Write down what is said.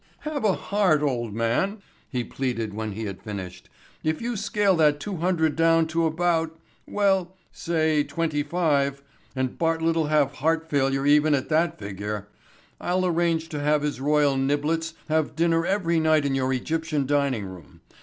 "Have a heart, old man," he pleaded when he had finished. "If you scale that two hundred down to about—well, say twenty five and Bartlett'll have heart failure even at that figure—I'll arrange to have his royal niblets have dinner every night in your Egyptian dining room.